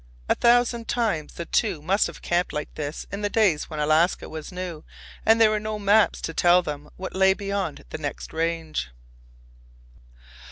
A thousand times the two must have camped like this in the days when Alaska was new and there were no maps to tell them what lay beyond the next range.